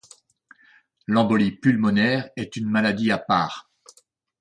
L'embolie pulmonaire est une maladie à part.